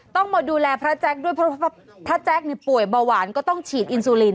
ต้องมาดูแลพระแจ๊คด้วยเพราะพระแจ๊คป่วยเบาหวานก็ต้องฉีดอินซูลิน